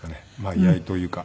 居合というか。